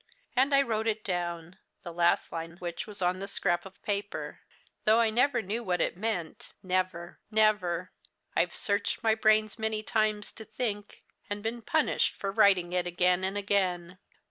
"And I wrote it down the last line which was on the scrap of paper. Though I never knew what it meant never! never! I've searched my brains many times to think; and been punished for writing it again and again.